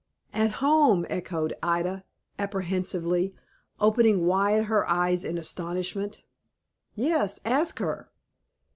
"At home!" echoed Ida, apprehensively, opening wide her eyes in astonishment. "Yes, ask her."